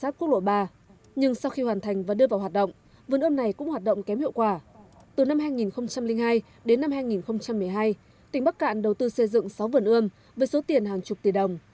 từ năm hai nghìn hai đến năm hai nghìn một mươi hai tỉnh bắc cạn đầu tư xây dựng sáu vườn ươm với số tiền hàng chục tỷ đồng